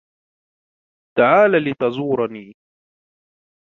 تعال لتزورني.